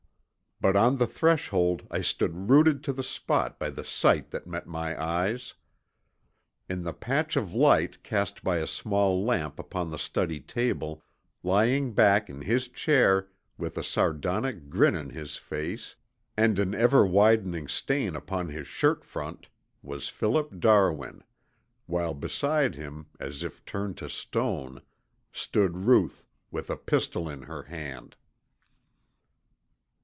But on the threshold I stood rooted to the spot by the sight that met my eyes! In the patch of light cast by a small lamp upon the study table, lying back in his chair with a sardonic grin on his face and an ever widening stain upon his shirt front, was Philip Darwin, while beside him as if turned to stone, stood Ruth with a pistol in her hand!